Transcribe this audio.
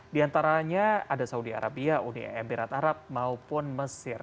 di antaranya ada saudi arabia uni emirat arab maupun mesir